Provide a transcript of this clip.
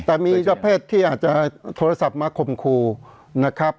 แต่มีเจ้าเพศที่อาจจะโทรศัพท์มาข่มครูนะครับ